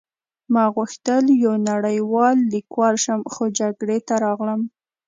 ما غوښتل یو نړۍوال لیکوال شم خو جګړې ته راغلم